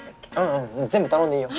うん全部頼んでいいよ。